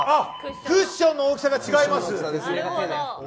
クッションの大きさが違います。